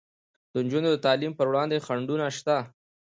د نجونو د تعلیم پر وړاندې خنډونه شته.